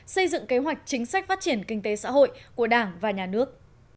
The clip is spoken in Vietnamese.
xây dựng kế hoạch chính sách phát triển kinh tế xã hội của đảng và nhà nước